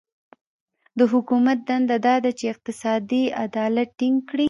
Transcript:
د حکومت دنده دا ده چې اقتصادي عدالت ټینګ کړي.